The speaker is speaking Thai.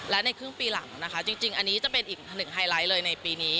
และในครึ่งปีหลังนะคะจริงอันนี้จะเป็นอีกหนึ่งไฮไลท์เลยในปีนี้